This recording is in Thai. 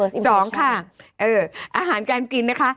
สองค่ะเอออาหารการกินนะคะ